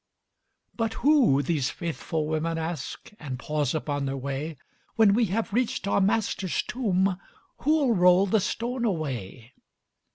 "But who," these faithful women ask, And pause upon their way, "When we have reached our Master's tomb, Who'll roll the stone away?"